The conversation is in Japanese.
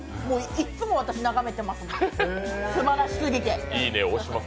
いつも私、眺めてます、すばらしすぎて。